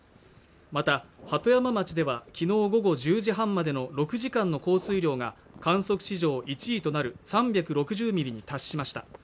また鳩山町ではきのう午後１０時半までの６時間の降水量が観測史上１位となる３６０ミリに達しました